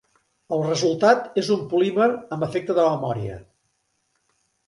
El resultat és un polímer amb efecte de memòria.